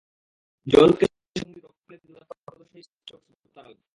জো রুটকে সঙ্গী করে স্ট্রোক প্লের দুর্দান্ত প্রদর্শনীতেই স্টোকস ভূত তাড়ালেন।